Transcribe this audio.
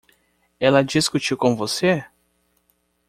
Ela discutiu com você?